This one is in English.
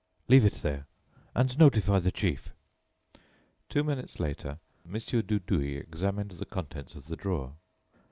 "Leave it there, and notify the chief." Two minutes later Mon. Dudouis examined the contents of the drawer.